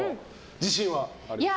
自信はありますか？